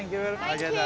ありがとう。